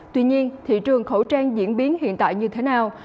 tuy nhiên thị trường khẩu trang diễn biến hiện tại như thế nào